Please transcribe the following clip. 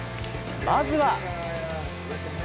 まずは。